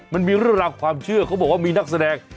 มันมีเรื่องราวความเชื่อเขาบอกว่ามีนักแสดง